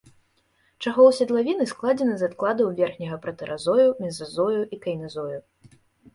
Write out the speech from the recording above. Чахол седлавіны складзены з адкладаў верхняга пратэразою, мезазою і кайназою.